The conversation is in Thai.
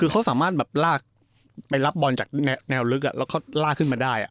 คือเขาสามารถแบบลากไปรับบอลจากแนวลึกแล้วเขาลากขึ้นมาได้